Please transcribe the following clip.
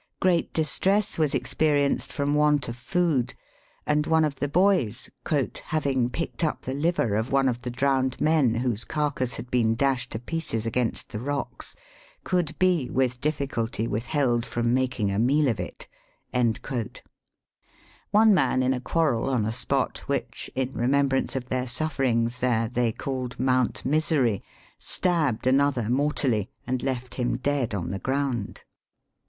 Great distress was experienced from want of food, and one of the boys, " having picked up the liver of one of the drowned men whose carcase had been dashed to pieces against the rocks, could be •with diiliculty withheld from making a meal of it." One man, in a quarrel, on a spot which, in remembrance of their sufferings there, they called Mount Misery, stabbed another mortally, and left him dead on the ground.